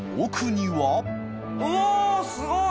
うわっすごい！